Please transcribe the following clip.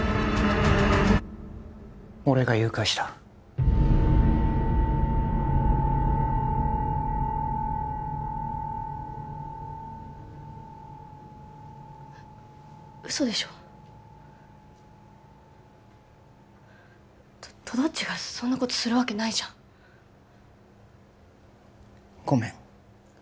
俺が誘拐した嘘でしょととどっちがそんなことするわけないじゃんごめん